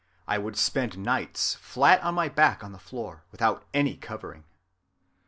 I would spend nights flat on my back on the floor without any covering."